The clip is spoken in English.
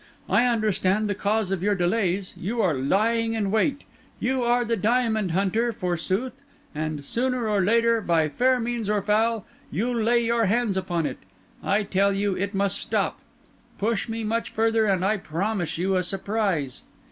I understand the cause of your delays; you are lying in wait; you are the diamond hunter, forsooth; and sooner or later, by fair means or foul, you'll lay your hands upon it. I tell you, it must stop; push me much further and I promise you a surprise."